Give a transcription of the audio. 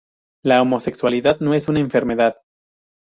La homosexualidad no es una enfermedad.